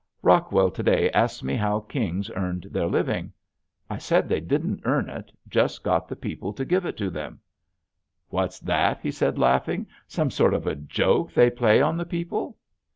Rockwell to day asked me how kings earned their living. I said they didn't earn it just got the people to give it to them. "What's that," he said laughing, "some sort of a joke they play on the people?"